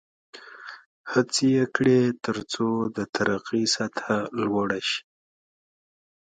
هڅې یې کړې ترڅو د ترقۍ سطحه لوړه شي.